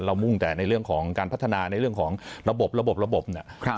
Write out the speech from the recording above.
มุ่งแต่ในเรื่องของการพัฒนาในเรื่องของระบบระบบระบบระบบเนี่ย